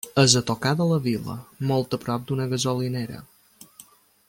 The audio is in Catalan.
És a tocar de la vila, molt a prop d'una gasolinera.